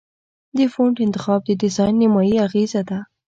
د فونټ انتخاب د ډیزاین نیمایي اغېزه ده.